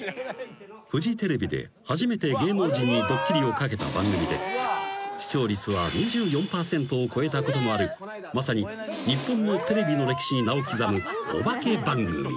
［フジテレビで初めて芸能人にドッキリをかけた番組で視聴率は２４％を超えたこともあるまさに日本のテレビの歴史に名を刻むお化け番組］